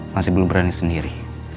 masih belum berani sendiri